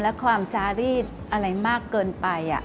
และความจารีดอะไรมากเกินไป